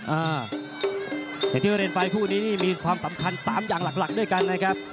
อย่างที่เราเรียนไปคู่นี้นี่มีความสำคัญ๓อย่างหลักด้วยกันนะครับ